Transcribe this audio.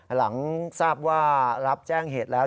หลังทราบว่ารับแจ้งเหตุแล้ว